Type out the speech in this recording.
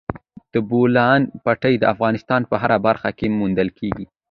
د بولان پټي د افغانستان په هره برخه کې موندل کېږي.